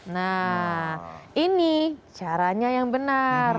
nah ini caranya yang benar